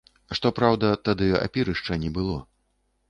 Што праўда, тады апірышча не было.